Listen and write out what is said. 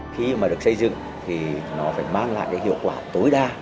khi mà được xây dựng thì nó phải mang lại cái hiệu quả tối đa